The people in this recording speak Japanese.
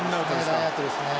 ラインアウトですね。